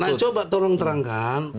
nah coba tolong terangkan